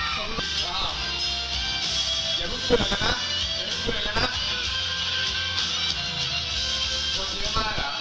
ตัวจริงมากตัวจริงเต้น